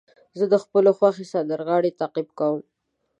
زه د خپلو خوښې سندرغاړو تعقیب کوم.